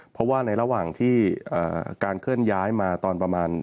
เพราะว่าในระหว่างที่การเคลื่อนย้ายมาตอนประมาณ